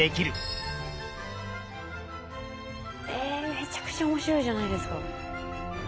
めちゃくちゃ面白いじゃないですか。